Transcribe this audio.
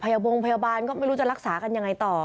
วงพยาบาลก็ไม่รู้จะรักษากันยังไงต่อ